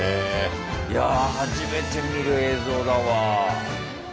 いや初めて見る映像だわ。